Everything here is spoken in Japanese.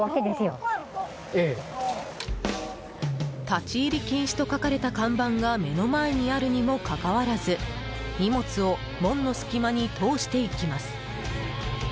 立ち入り禁止と書かれた看板が目の前にあるにもかかわらず荷物を門の隙間に通していきます。